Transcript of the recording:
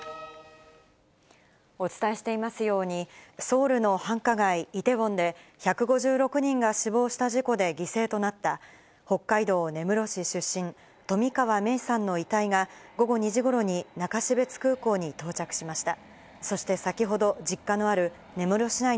お伝えしていますように、ソウルの繁華街、イテウォンで、１５６人が死亡した事故で犠牲となった、北海道根室市出身、冨川芽生さんの遺体が、午後２時ごろに中標津空港に到着しました。